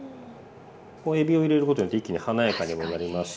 えびを入れることによって一気に華やかにもなりますし。